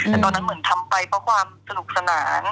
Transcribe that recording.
แต่ตอนนั้นเหมือนทำไปเพราะความสนุกสนาน